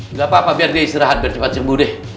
nggak apa apa biar dia istirahat bercepat sembuh deh